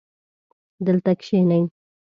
دلته کښېنئ